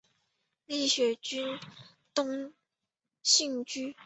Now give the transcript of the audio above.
立雪郡东兴郡